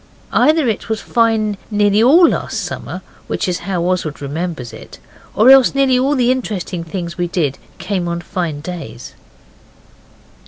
Either it was fine nearly all last summer, which is how Oswald remembers it, or else nearly all the interesting things we did came on fine days.